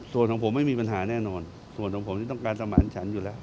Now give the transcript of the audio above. ส่วนของผมไม่มีปัญหาแน่นอนส่วนของผมนี่ต้องการสมานฉันอยู่แล้ว